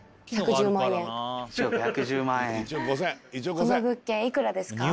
この物件幾らですか？